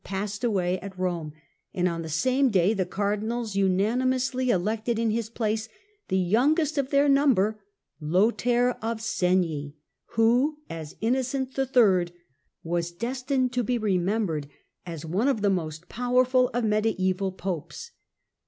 passed away at Eome, and on the same day the Cardinals unanimously Election of elected in his place the youngest of their number, Lothair III., Jan. of Segni, who, as Innocent III., was destined to be remem '^ bered as one of the most powerful of mediaeval Popes.